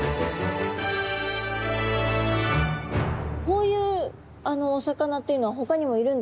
こういうお魚っていうのはほかにもいるんですか？